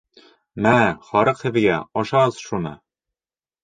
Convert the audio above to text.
— Мә, һарыҡ һеҙгә, ашағыҙ шуны.